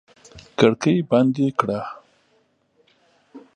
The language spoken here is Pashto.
کړکۍ بندې کړه!